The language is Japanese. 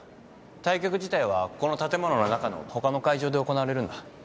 対局自体はこの建物の中の他の会場で行われるんだ。